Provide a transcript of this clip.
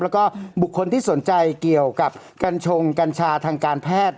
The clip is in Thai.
แล้วก็บุคคลที่สนใจเกี่ยวกับกัญชงกัญชาทางการแพทย์